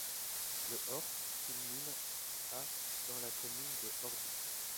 Le horst culmine à dans la commune de Hörby.